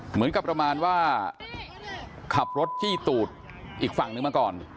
เหมือนกับประมาณว่าขับรถจี้ตูดอีกฝั่งนึงมาก่อน